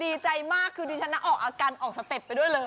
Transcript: ดีใจมากคือดิฉันนะออกอาการออกสเต็ปไปด้วยเลย